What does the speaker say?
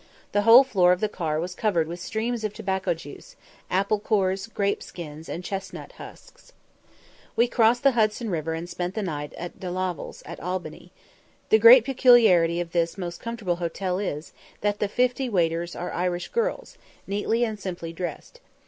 The whole floor of the car was covered with streams of tobacco juice, apple cores, grape skins, and chestnut husks. We crossed the Hudson River, and spent the night at Delaval's, at Albany. The great peculiarity of this most comfortable hotel is, that the fifty waiters are Irish girls, neatly and simply dressed.